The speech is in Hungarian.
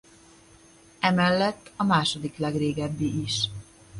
Emellett a második legrégebbi is.